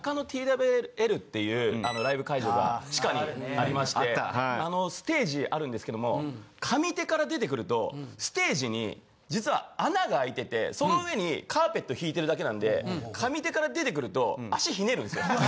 中野ＴＷＬっていうライブ会場が地下にありましてステージあるんですけども上手から出てくるとステージに実は穴が空いててその上にカーペットひいてるだけなんで上手から出てくると足ひねるんですよ。